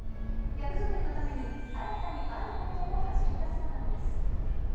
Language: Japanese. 役作りのために新たにあることを始めたそうなんです。